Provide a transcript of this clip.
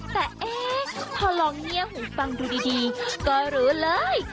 แต่เอ๊ะพอลองเงียบหูฟังดูดีก็รู้เลย